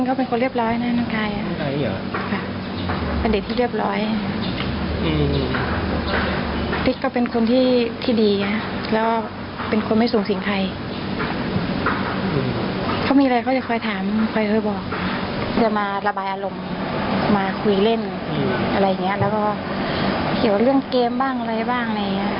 ก็เลยเรื่องงานบ้าง